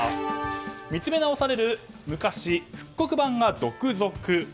見つめ直される昔復刻版が続々。